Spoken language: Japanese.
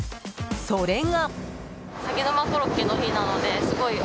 それが。